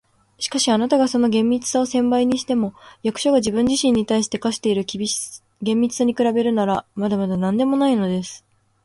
「しかし、あなたがその厳密さを千倍にしても、役所が自分自身に対して課している厳密さに比べるなら、まだまだなんでもないものです。